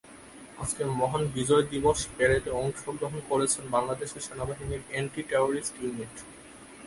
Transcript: আজকের মহান বিজয় দিবস প্যারেডে অংশগ্রহণ করছেন বাংলাদেশ সেনাবাহিনীর অ্যান্টি টেরোরিস্ট ইউনিট।